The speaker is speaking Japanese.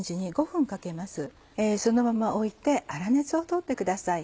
そのまま置いて粗熱を取ってください。